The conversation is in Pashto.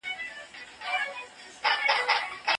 که پام ونشي نو معلومات اوږدمهاله حافظې ته نه ځي.